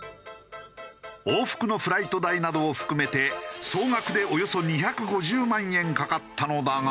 往復のフライト代などを含めて総額でおよそ２５０万円かかったのだが。